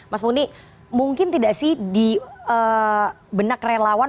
mas muni mungkin tidak sih di benak relawan